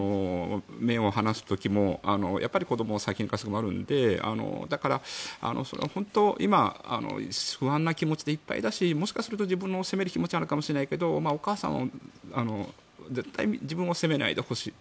目を離す時も、子どもを先に行かせる時もあるのでだから、本当に今、不安な気持ちでいっぱいだしもしかすると自分を責める気持ちなのかもしれないけれどお母さんは絶対に自分を責めないでほしい。